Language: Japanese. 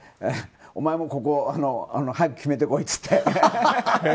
お前もここ早く決めてこいって言って。